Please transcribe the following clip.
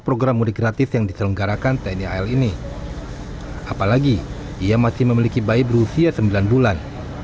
program mudik gratis yang diselenggarakan tni al ini apalagi ia masih memiliki bayi berusia sembilan bulan